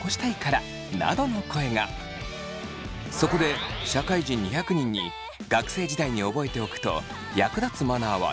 そこで社会人２００人に学生時代に覚えておくと役立つマナーは何か？